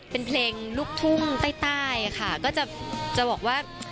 เป็นเพลงลูกทุ่งใต้ค่ะก็จะบอกว่า